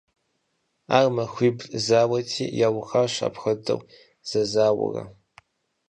Ар махуибл зауэти, яухащ апхуэдэу зэзауэурэ.